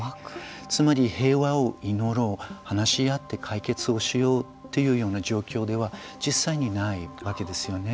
つまり、平和を祈ろう話し合って解決をしようというような状況では実際にないわけですよね。